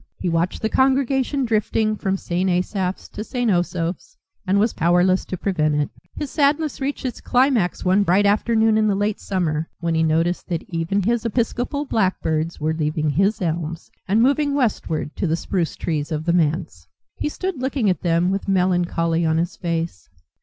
He watched the congregation drifting from St. Asaph's to St. Osoph's and was powerless to prevent it. His sadness reached its climax one bright afternoon in the late summer, when he noticed that even his episcopal blackbirds were leaving his elms and moving westward to the spruce trees of the manse. He stood looking at them with melancholy on his face.